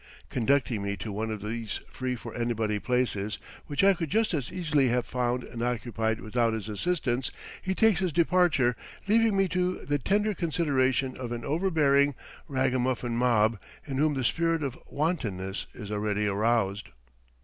Conducting me to one of these free for anybody places, which I could just as easily have found and occupied without his assistance, he takes his departure, leaving me to the tender consideration of an overbearing, ragamuffin mob, in whom the spirit of wantonness is already aroused.